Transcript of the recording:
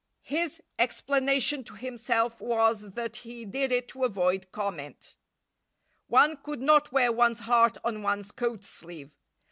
His explanation to himself was that he did it to avoid comment. One could not wear one's heart on one's coat sleeve.